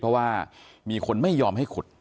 เพราะว่ามีคนไม่ยอมให้ขุด